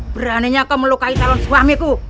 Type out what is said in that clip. beraninya kau melukai calon suamiku